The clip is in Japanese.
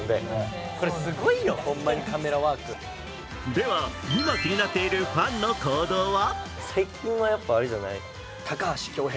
では、今、気になっているファンの行動は？